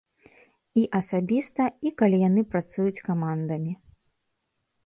І асабіста, і калі яны працуюць камандамі.